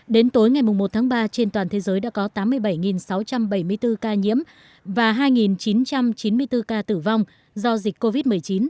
đến tối ngày một tháng ba trên toàn thế giới đã có tám mươi bảy sáu trăm bảy mươi bốn ca nhiễm và hai chín trăm chín mươi bốn ca tử vong do dịch covid một mươi chín